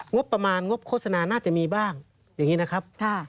งบประมาณงบโฆษณาน่าจะมีบ้างอย่างนี้นะครับ